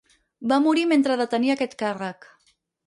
Va morir mentre detenia aquest càrrec.